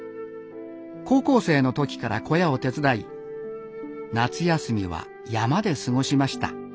高校生の時から小屋を手伝い夏休みは山で過ごしました。